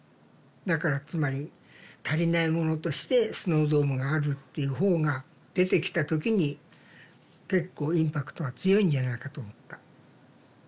だからつまり足りないものとしてスノードームがあるっていう方が出てきた時に結構インパクトが強いんじゃないかと思った。